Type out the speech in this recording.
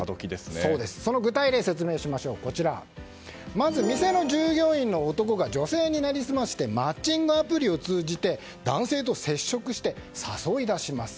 その具体例を説明するとまず店の従業員の男が女性に成り済ましてマッチングアプリを通じて男性と接触して誘い出します。